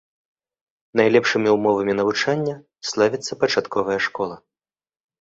Найлепшымі ўмовамі навучання славіцца пачатковая школа.